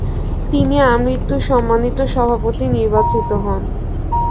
তিনি আমৃত্যু সম্মানিত সভাপতি নির্বাচিত হন।